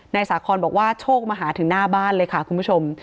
นายสาคอนบอกว่าโชคมาหาถึงหน้าบ้านเลยค่ะคุณผู้ชม